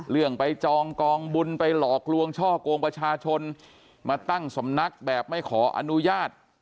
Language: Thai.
เรื่องไปจองกองบุญไปหลอกลวงช่อกงประชาชนมาตั้งสำนักแบบไม่ขออนุญาต